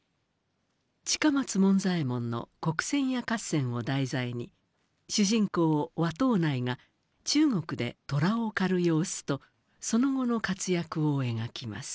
近松門左衛門の「国性爺合戦」を題材に主人公和藤内が中国で虎を狩る様子とその後の活躍を描きます。